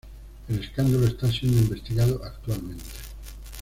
El escándalo está siendo investigado actualmente.